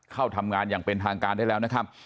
เข้าทำงานอย่างเป็นทางการได้แล้วนะครับ